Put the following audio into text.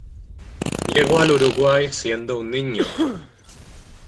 Llegó al Uruguay siendo un niño.